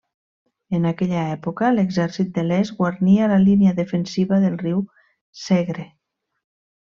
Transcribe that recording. En aquella època l'Exèrcit de l'Est guarnia la línia defensiva del riu Segre.